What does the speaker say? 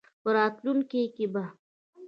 په راتلونکې کې به